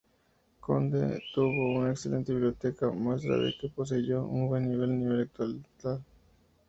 El Conde tuvo una excelente biblioteca muestra de que poseyó un buen nivel intelectual.